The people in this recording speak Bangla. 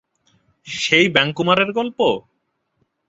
সেই ব্যাঙ কুমারের গল্প?